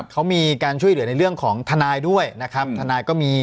เขามีการช่วยเหลือในเรื่องของทนายด้วยนะครับทนายก็มี